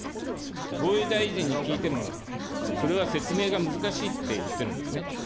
防衛大臣に聞いても、それは説明が難しいって言ってるんですね。